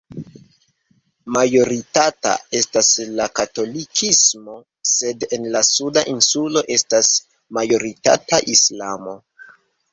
Majoritata estas la katolikismo, sed en la suda insulo estas majoritata Islamo.